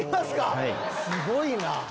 すごいな。